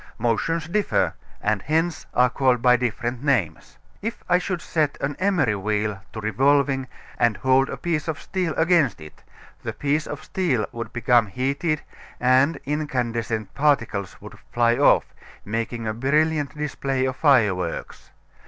Motions differ, and hence are called by different names. If I should set an emery wheel to revolving and hold a piece of steel against it the piece of steel would become heated and incandescent particles would fly off, making a brilliant display of fireworks.